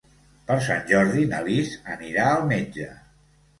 Per Sant Jordi na Lis anirà al metge.